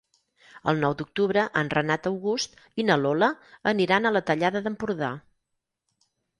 El nou d'octubre en Renat August i na Lola aniran a la Tallada d'Empordà.